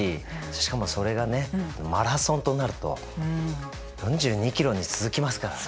しかもそれがねマラソンとなると４２キロに続きますからね。